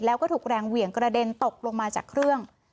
แล้วก็ถูกแรงเหวี่ยงกระเด็นตกลงมาจากเครื่อง